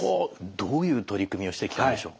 どういう取り組みをしてきたんでしょう？